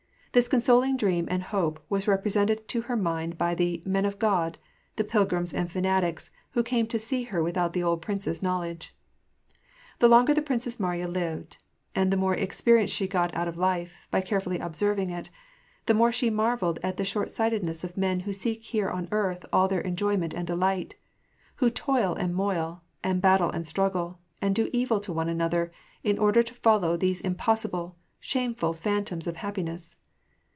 This consoling dream and hope was repre sented to her mind by the " Men of God," the pilgrims and fanatics, who came to see her without the old prince's knowl edge. The longer the princess Mariya lived, and the more experi ence she got out of life, by carefully observing it, the more she marvelled at the short sightedness of men who seek here on earth all their enjoyment and delight : who toil and moil, and battle and struggle, and do evil to one another, in order to follow these impossible, shameful phantoms of happi ness.